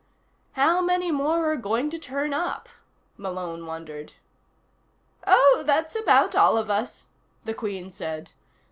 How many more are going to turn up? Malone wondered. "Oh, that's about all of us," the Queen said.